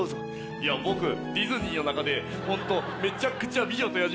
いや僕ディズニーの中でホントめちゃくちゃ。